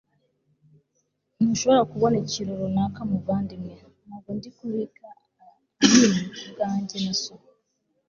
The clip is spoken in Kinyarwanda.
ntushobora kubona ikintu runaka, muvandimwe. ntabwo ndi kubika anini kubwanjye, na so